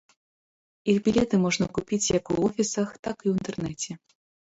Іх білеты можна купіць як у офісах, так і ў інтэрнэце.